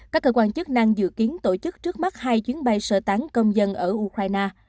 các cơ quan chức năng dự kiến tổ chức trước mắt hai chuyến bay sơ tán công dân ở ukraine